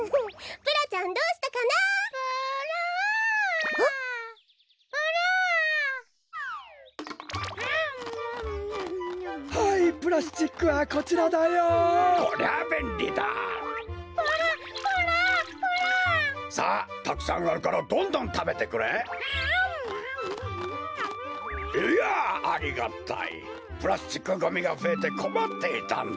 プラスチックゴミがふえてこまっていたんだ。